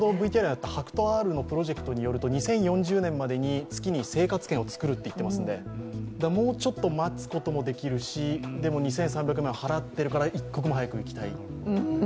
ＨＡＫＵＴＯ−Ｒのプロジェクトによると、２０４０年までに月に生活圏を作るといっていますのでもう少し待つこともできますしでも２３００万円払っているから、一刻も早く行きたい。